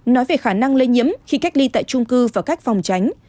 nói về khả năng lây nhiễm khi cách ly tại trung cư và cách phòng tránh